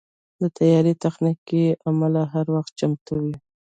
د طیارې تخنیکي عمله هر وخت چمتو وي.